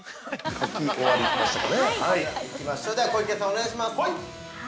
◆それでは小池さん、お願いします。